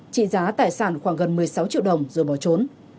trị giá tài sản khoảng gần một mươi sáu triệu đồng rồi bỏ trốn